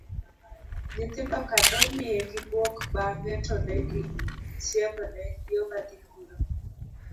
nyithindoka nong'iye gi buok bang'e to negisiemone yo madhi kuro